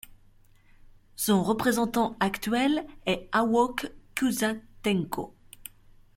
Son représentant actuel est Awoke Kuysa Tenqo.